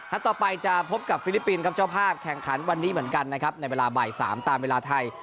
ต่อไปจะพบกับฟิลิปปินส์ครับเจ้าภาพแข่งขันวันนี้เหมือนกันนะครับในเวลาบ่าย๓ตามเวลาไทย